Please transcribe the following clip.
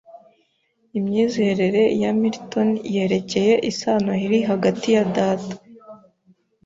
Imyizerere ya Milton yerekeye isano iri hagati ya Data